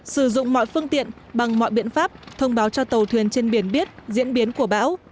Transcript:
sử dụng mọi phương tiện bằng mọi biện pháp thông báo cho tàu thuyền trên biển biết diễn biến của bão